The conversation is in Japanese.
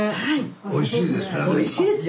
おいしいです？